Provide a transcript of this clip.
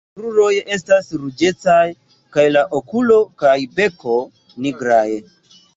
La kruroj estas ruĝecaj kaj la okuloj kaj beko nigraj.